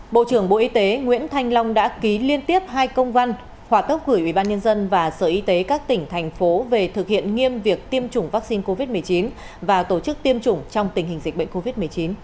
bộ trưởng bộ y tế nguyễn thanh long đã ký liên tiếp hai công văn hỏa tốc gửi ubnd và sở y tế các tỉnh thành phố về thực hiện nghiêm việc tiêm chủng vaccine covid một mươi chín và tổ chức tiêm chủng trong tình hình dịch bệnh covid một mươi chín